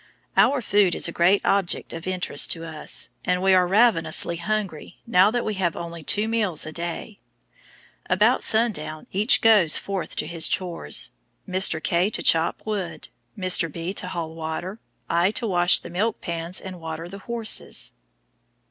Our food is a great object of interest to us, and we are ravenously hungry now that we have only two meals a day. About sundown each goes forth to his "chores" Mr. K. to chop wood, Mr. B. to haul water, I to wash the milk pans and water the horses.